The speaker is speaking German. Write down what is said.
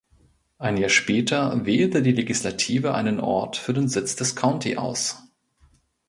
Ein Jahr später wählte die Legislative einen Ort für den Sitz des County aus.